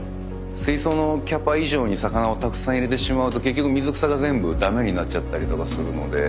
水槽のキャパ以上に魚をたくさん入れてしまうと結局水草が全部駄目になっちゃったりとかするので。